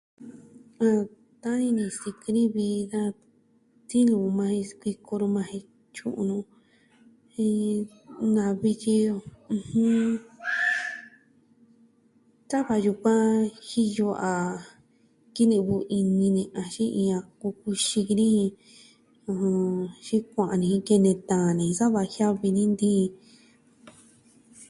A ta'an ini ni sikɨ ni vi da tiluu yukuan jen sikuiko ni majan jen tyu'un nu, jen navi tyi, ɨjɨn, tava yukuan jiyo a kinivɨ ini ni axin iña kukuxi ki ni jen. ɨjɨn. Sikua'a ni jin kene taan ni sa va jiavi ni nti'in.